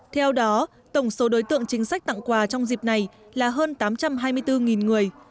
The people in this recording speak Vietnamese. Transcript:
theo đó tổng số đối tượng chính sách tặng quà trong dịp này là hơn tám trăm hai mươi bốn người